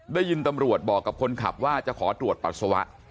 ได้ยินตำรวจบอกกับคนขับว่าจะขอตรวจปัสสาวะ